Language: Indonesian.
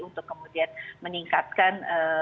untuk kemudian meningkatkan